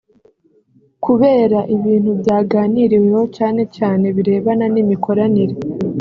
kubera ibintu byaganiriweho cyane cyane birebana n’imikoranire